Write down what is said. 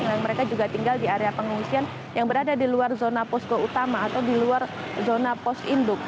yang mereka juga tinggal di area pengungsian yang berada di luar zona posko utama atau di luar zona pos induk